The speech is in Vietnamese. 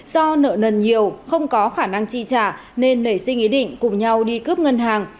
do nợ nần nhiều không có khả năng chi trả nên nảy sinh ý định cùng nhau đi cướp ngân hàng